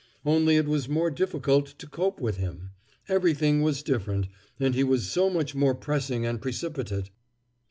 Only it was more difficult to cope with him; everything was different, and he so much more pressing and precipitate.